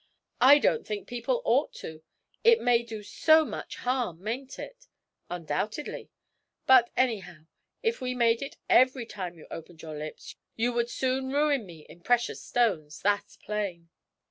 I don't think people ought to it may do so much harm; mayn't it?' 'Undoubtedly. But, anyhow, if we made it every time you opened your lips, you would soon ruin me in precious stones, that's plain!